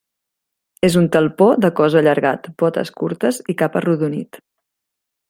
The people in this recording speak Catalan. És un talpó de cos allargat, potes curtes i cap arrodonit.